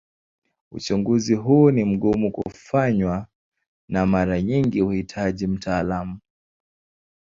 Uchunguzi huu ni mgumu kufanywa na mara nyingi huhitaji mtaalamu.